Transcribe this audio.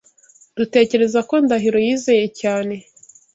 Dutekereza ko Ndahiro yizeye cyane.